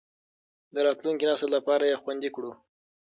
د راتلونکي نسل لپاره یې خوندي کړو.